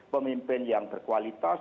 pemimpin yang berkualitas